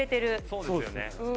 そうですよね。